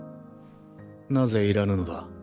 なぜいらぬのだ？